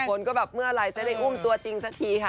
คนก็แบบเมื่อไหร่จะได้อุ้มตัวจริงสักทีค่ะ